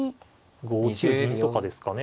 ５九銀とかですかね。